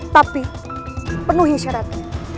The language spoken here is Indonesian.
tapi penuhi syaratku